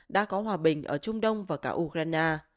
đã có hòa bình ở trung đông và cả ukraine